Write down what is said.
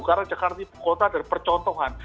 karena jakarta itu kota dari percontohan